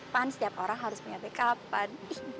pan setiap orang harus menyiapkan kapan